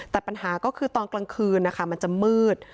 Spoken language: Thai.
แต่ปัญหาก็คือตอนกลางคืนนะคะมันจะมืด